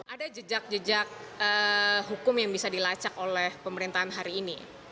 ada jejak jejak hukum yang bisa dilacak oleh pemerintahan hari ini